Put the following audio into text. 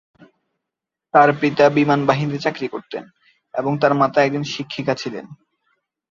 তার পিতা বিমান বাহিনীতে চাকরি করতেন এবং তার মাতা একজন শিক্ষিকা ছিলেন।